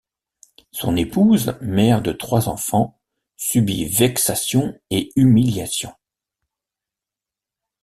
Son épouse, mère de trois enfants, subit vexations et humiliations.